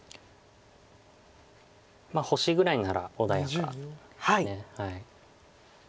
星ぐらいなら穏やかです。